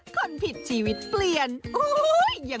เจ้าแจ๊ะริมเจ้า